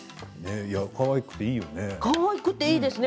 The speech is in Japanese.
かわいくていいよね。